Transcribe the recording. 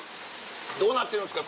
どうなってるんですか？